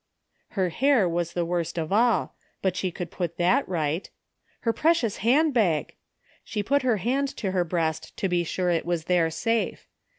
Her hair was the worst of all, but she could put that right. Her precious handbag ! She put her hand to her breast to be sure it was there safe.